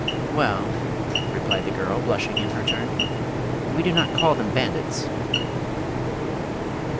"Well," replied the girl, blushing in her turn, "we do not call them bandits."